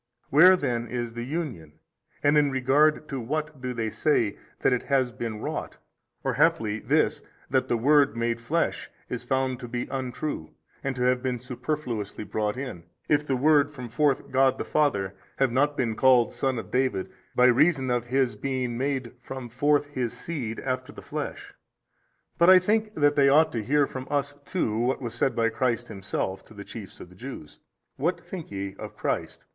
Where then is the Union and in regard to what do they say that it has been wrought? or haply this that the Word was made flesh is found to be untrue and to have been superfluously brought in, if the Word from forth God the Father have not been called son of David by reason of His being made from forth his seed after the flesh. But I think that they ought to hear from us too what was said by Christ Himself to the chiefs of the Jews, What think ye of Christ?